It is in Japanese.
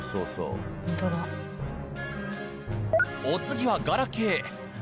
お次はガラケー。